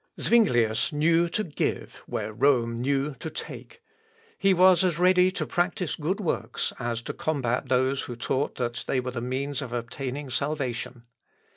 " Zuinglius knew to give where Rome knew to take; he was as ready to practise good works, as to combat those who taught that they were the means of obtaining salvation.